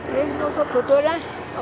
ini sudah sebetulnya